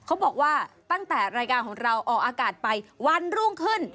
เขาบอกว่าตั้งแต่รายการของเราออกอากาศไปวันรุ่งขึ้น